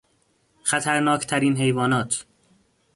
خطرناک ترین حیوانات